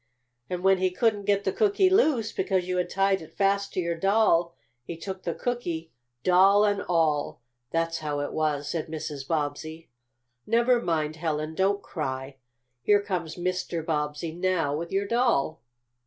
"And when he couldn't get the cookie loose, because you had it tied fast to your doll, he took the cookie, doll and all. That's how it was," said Mrs. Bobbsey. "Never mind, Helen. Don't cry. Here comes Mr. Bobbsey now, with your doll."